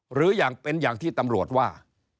หรืออย่างเป็นอย่างที่ตำรวจว่า